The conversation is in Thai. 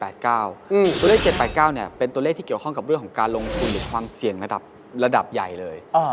ตัวเลข๗๘๙เป็นตัวเลขที่เกี่ยวข้องกับเรื่องของการลงทุนหรือความเสี่ยงระดับใหญ่เลย